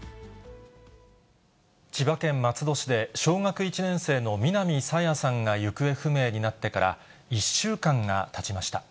千葉県松戸市で、小学１年生の南朝芽さんが行方不明になってから、１週間がたちました。